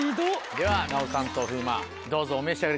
では奈緒さんと風磨どうぞお召し上がりください。